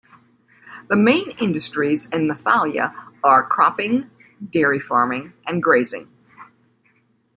The main industries in Nathalia are cropping, dairy farming and grazing.